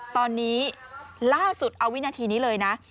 ตอนนี้ล่าสุดเอาวินาทีนี้เลยนะ